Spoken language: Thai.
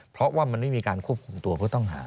เพราะว่ามันไม่มีการควบคุมตัวผู้ต้องหา